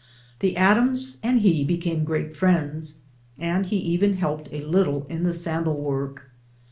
The Adams' and he became great friends, and he even helped a little in the sandal work.